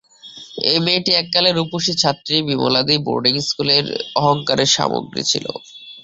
এই মেয়েটি এককালকার রূপসী ছাত্রী বিমলাদিদি, বোর্ডিং স্কুলের অহংকারের সামগ্রী ছিল।